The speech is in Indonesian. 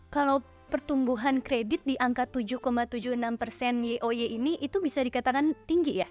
kalau pertumbuhan kredit di angka tujuh tujuh puluh enam persen yeoy ini itu bisa dikatakan tinggi ya